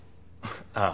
ああ。